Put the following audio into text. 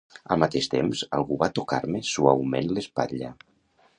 Al mateix temps, algú va tocar-me suaument l'espatlla.